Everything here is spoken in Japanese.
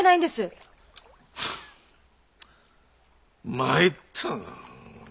参ったな。